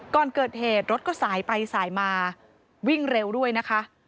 ก่อนเกิดเหตุรถก็สายไปสายมาวิ่งเร็วด้วยนะคะ